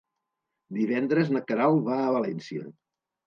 Divendres na Queralt va a València.